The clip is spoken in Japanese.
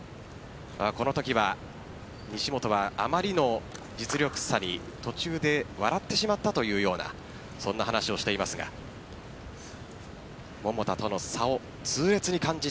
このときは西本はあまりの実力差に途中で笑ってしまったというような話をしていますが桃田との差を痛烈に感じた